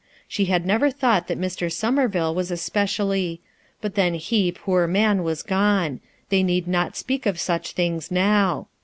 She had never thought that Mr Somerville was especially — but then he, poor man, was gone; they need not speak of such things now.